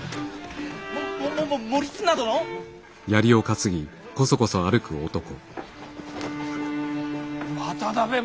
ももも守綱殿！？渡辺守綱！